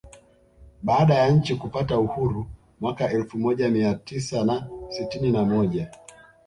Baada ya nchi kupata Uhuru mwaka elfu moja mia tisa na sitini na moja